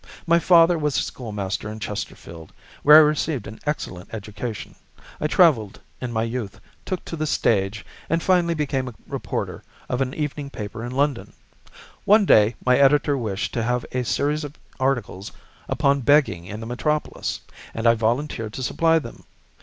My father was a schoolmaster in Chesterfield, where I received an excellent education. I travelled in my youth, took to the stage, and finally became a reporter on an evening paper in London. One day my editor wished to have a series of articles upon begging in the metropolis, and I volunteered to supply them.